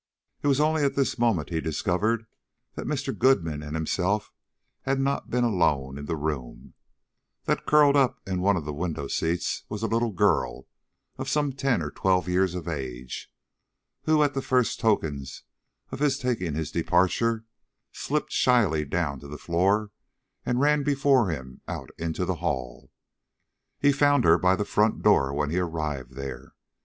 It was only at this moment he discovered that Mr. Goodman and himself had not been alone in the room; that curled up in one of the window seats was a little girl of some ten or twelve years of age, who at the first tokens of his taking his departure slipped shyly down to the floor and ran before him out into the hall. He found her by the front door when he arrived there.